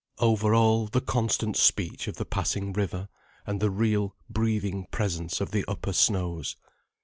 Over all the constant speech of the passing river, and the real breathing presence of the upper snows.